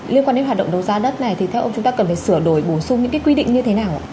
liên quan đến hoạt động đấu giá đất này thì theo ông chúng ta cần phải sửa đổi bổ sung những cái quy định như thế nào ạ